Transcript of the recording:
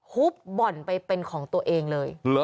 ุบบ่อนไปเป็นของตัวเองเลย